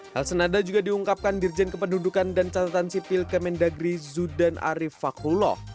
hal senada juga diungkapkan dirjen kependudukan dan catatan sipil kemendagri zudan arief fakhullah